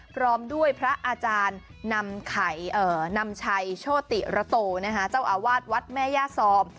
พร้อมด้วยพระอาจารย์นำชัยโชติระโตเจ้าอาวาสวัดแม่ย่าซอม